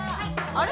あれ？